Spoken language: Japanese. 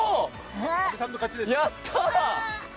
阿部さんの勝ちです！